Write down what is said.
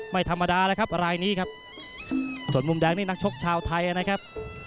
ไม่ธรรมดาแล้วครับรายนี้ครับส่วนมุมแดงนี่นักชกชาวไทยนะครับ